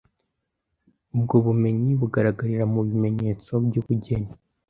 Ubwo bumenyi bugaragarira mu bimenyetso by’ubugeni,